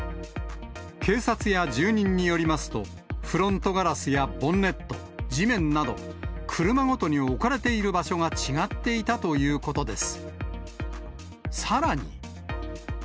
警察や住人によりますと、フロントガラスやボンネット、地面など、車ごとに置かれている場所が違っていたということです。